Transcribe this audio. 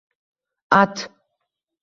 At